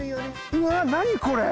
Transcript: うわ何これ！